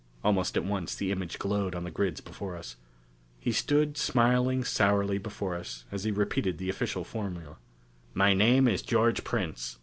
Almost at once, the image glowed on the grids before us. He stood smiling sourly before us as he repeated the official formula: "My name is George Prince.